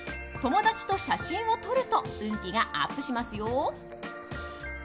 友達と写真を撮ると運気がアップしますよ。